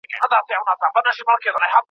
یادونه د مدلل علم د بدلون لامل دی.